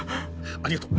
ありがとう。